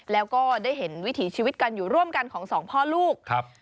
แล้วก็ได้เห็นวิถีชีวิตการอยู่ร่วมกันของสองพ่อลูกครับ